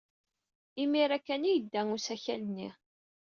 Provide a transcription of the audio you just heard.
Imir-a kan ay yedda usakal-nni.